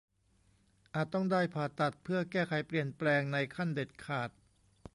อาจต้องได้ผ่าตัดเพื่อแก้ไขเปลี่ยนแปลงในขั้นเด็ดขาด